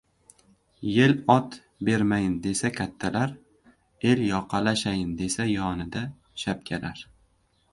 Yel ot bermayin desa — kattalar! El yoqalashayin desa — yonida shapkalar!